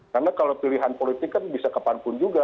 karena kalau pilihan politik kan bisa kepanpun juga